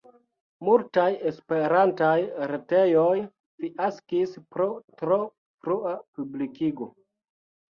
Multaj esperantaj retejoj fiaskis pro tro frua publikigo.